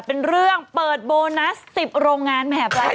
เป็นเรื่องเปิดโบนัส๑๐โรงงานมหาประหลาดนี้